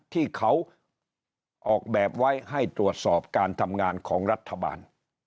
ที่เขาออกแบบไว้ให้ตรวจสอบการทำงานของรัฐบาล